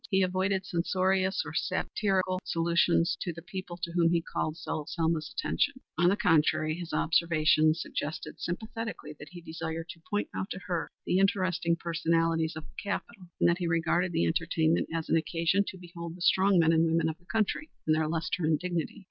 He avoided censorious or satirical allusions to the people to whom he called Selma's attention. On the contrary, his observations suggested sympathetically that he desired to point out to her the interesting personalities of the capital, and that he regarded the entertainment as an occasion to behold the strong men and women of the country in their lustre and dignity.